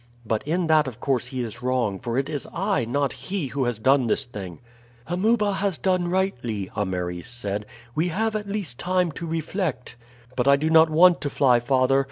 But in that of course he is wrong; for it is I, not he, who has done this thing." "Amuba has done rightly," Ameres said. "We have at least time to reflect." "But I do not want to fly, father.